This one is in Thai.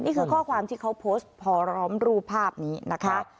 นี่คือข้อความที่เขาโพสต์พอร้อมรูปภาพนี้นะคะ